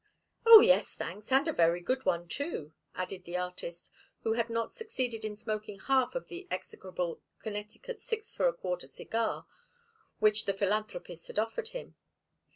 "Oh, yes, thanks and a very good one, too," added the artist, who had not succeeded in smoking half of the execrable Connecticut six for a quarter cigar which the philanthropist had offered him.